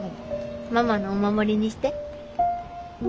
ママのお守りにして。